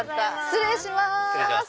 失礼します。